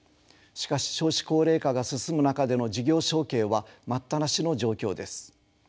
しかし少子高齢化が進む中での事業承継は待ったなしの状況です。